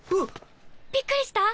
びっくりした？